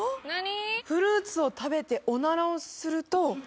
フルーツを食べてオナラをすると。